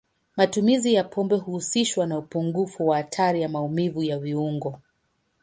Matumizi ya pombe huhusishwa na upungufu wa hatari ya maumivu ya viungo.